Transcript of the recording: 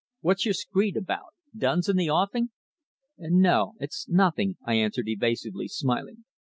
"What's your screed about? Duns in the offing?" "No. It's nothing," I answered evasively, smiling.